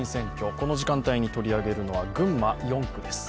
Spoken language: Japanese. この時間帯に取り上げるのは群馬４区です。